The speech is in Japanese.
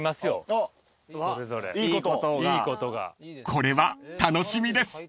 ［これは楽しみです］